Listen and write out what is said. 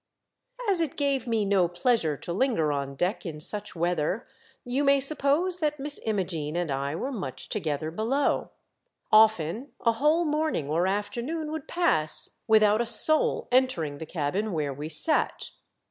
As it gave me no pleasure to linp:er on IMOGENE AND I ARE MUCH TOGETHER. 1 89 deck In such weather, you may suppose that Miss Imogene and I were much together below. Often a whole morning or afternoon would pass without a soul entering the cabin where we sat.